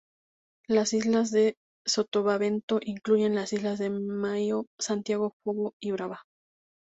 Las islas de Sotavento incluyen las islas de Maio, Santiago, Fogo y Brava.